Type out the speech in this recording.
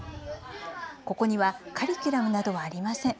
ここにはカリキュラムなどはありません。